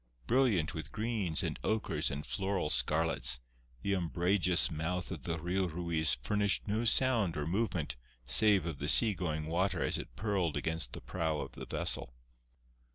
Brilliant with greens and ochres and floral scarlets, the umbrageous mouth of the Rio Ruiz furnished no sound or movement save of the sea going water as it purled against the prow of the vessel.